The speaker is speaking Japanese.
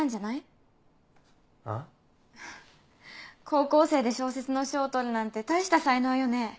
高校生で小説の賞を取るなんて大した才能よね。